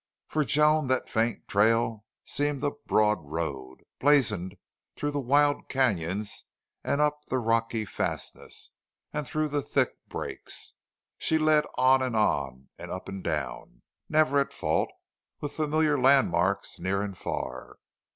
For Joan that faint trail seemed a broad road, blazoned through the wild canons and up the rocky fastness and through the thick brakes. She led on and on and up and down, never at fault, with familiar landmarks near and far.